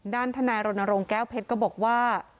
ทนายรณรงค์แก้วเพชรก็บอกว่า